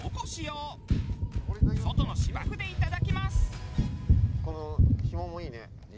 外の芝生でいただきます！